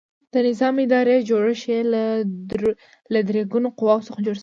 د نظام اداري جوړښت یې له درې ګونو قواوو څخه جوړ و.